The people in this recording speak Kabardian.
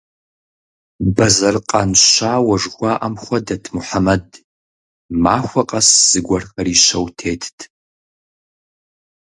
Бэзэр къан щауэ жыхуаӀэм хуэдэт Мухьэмэд: махуэ къэс зыгуэрхэр ищэу тетт.